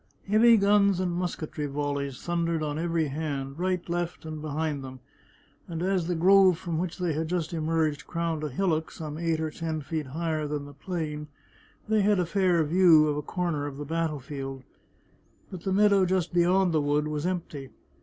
Heavy guns and mus ketry volleys thundered on every hand — right, left, and be hind them — and as the grove from which they had just emerged crowned a hillock some eight or ten feet higher than the plain, they had a fair view of a corner of the battle 40 The Chartreuse of Parma field. But the meadow just beyond the wood was empty.